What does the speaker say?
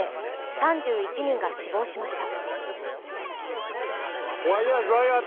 ３１人が死亡しました。